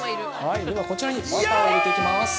では、こちらにバターを入れていきます。